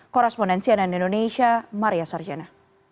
korrespondensi anand indonesia maria sarjana